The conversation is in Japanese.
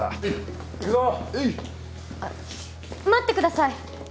あっ待ってください！